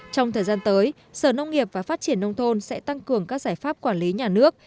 trong thời gian tới sở nông nghiệp và phát triển nông thôn sẽ tăng cường các giải pháp quản lý nhà nước